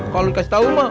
kalau dikasih tahu mah